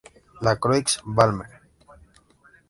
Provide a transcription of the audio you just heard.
La Croix-Valmer